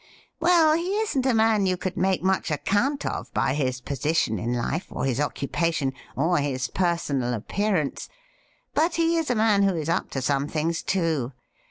' Well, he isn't a man you could make much account of by his position in life, or his occupation, or his personal appearance, but he is a man who is up to some things, too.